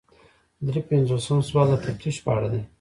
درې پنځوسم سوال د تفتیش په اړه دی.